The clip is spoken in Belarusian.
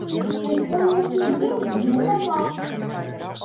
На сённяшні дзень гэта факт.